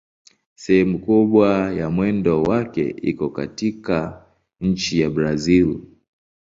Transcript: Sehemu kubwa ya mwendo wake iko katika nchi ya Brazil.